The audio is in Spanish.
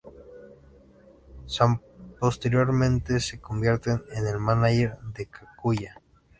San posteriormente se convierte en el "manager" de Kaguya.